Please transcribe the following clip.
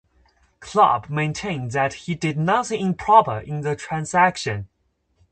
Clubb maintained that he did nothing improper in the transaction.